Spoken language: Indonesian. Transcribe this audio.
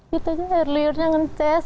dia tadi luar biasa nge test